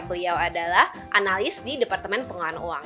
beliau adalah analis di departemen pengelolaan uang